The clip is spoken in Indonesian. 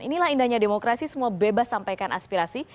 inilah indahnya demokrasi semua bebas sampaikan aspirasi